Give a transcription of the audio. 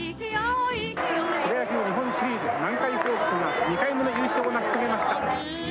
プロ野球日本シリーズ南海ホークスが２回目の優勝を成し遂げました。